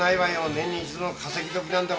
年に一度の稼ぎどきなんだもの。